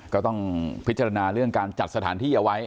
ก็ต้องพิจารณาเรื่องการจัดสถานที่เอาไว้